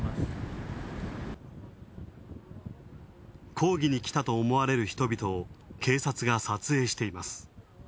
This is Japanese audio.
抗議に来たと思われる人々を警察が撮影しています。